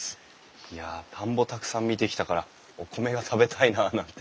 いや田んぼたくさん見てきたからお米が食べたいななんて。